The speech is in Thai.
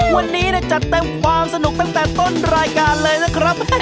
วันนี้จัดเต็มความสนุกตั้งแต่ต้นรายการเลยนะครับ